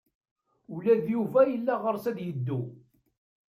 Ula d Yuba yella yeɣs ad yeddu.